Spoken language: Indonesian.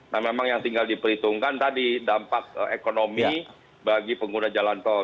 nah memang yang tinggal diperhitungkan tadi dampak ekonomi bagi pengguna jalan tol